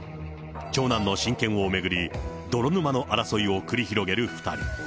長男の親権を巡り、泥沼の争いを繰り広げる２人。